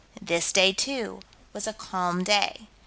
This day, too, was a calm day.